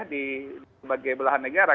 di sebagian belahan negara